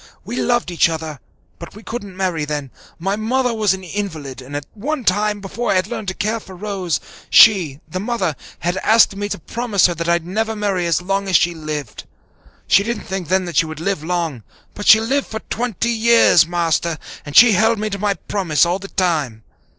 We loved each other, but we couldn't marry then. My mother was an invalid, and one time, before I had learned to care for Rose, she, the mother, had asked me to promise her that I'd never marry as long as she lived. She didn't think then that she would live long, but she lived for twenty years, Master, and she held me to my promise all the time.